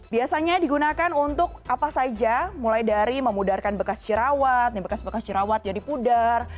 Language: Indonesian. biasanya digunakan untuk apa saja mulai dari memudarkan bekas jerawat nih bekas bekas jerawat jadi pudar